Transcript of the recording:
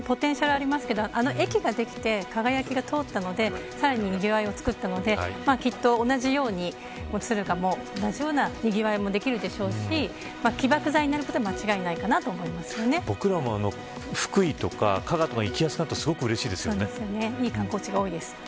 金沢も、もともとポテンシャルありますけど、あの駅ができて輝きが通ったのでさらににぎわいをつくったのできっと同じように敦賀でも同じようなにぎわいもできるでしょうし起爆剤になることは僕らも福井とか加賀とかに行きやすいとすごくうれしいですよね。